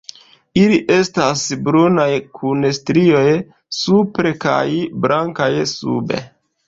Ili estas brunaj kun strioj supre kaj blankaj sube.